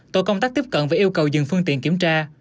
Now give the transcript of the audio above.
tổ công tác tiếp cận và yêu cầu dừng phương tiện kiểm tra